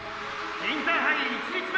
「インターハイ１日目